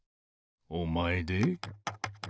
おまえで？